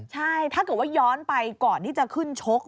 ใช่ถ้าเกิดว่าย้อนไปก่อนที่จะขึ้นชก